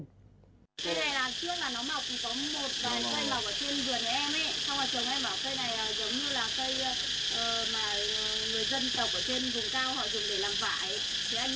cây này là trước là nó mọc thì có mùi mọc